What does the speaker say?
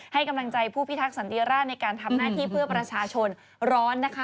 ให้กำลังใจผู้พิทักษันติราชในการทำหน้าที่เพื่อประชาชนร้อนนะคะ